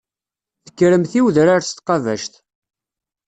Tekkremt i wedrar s tqabact.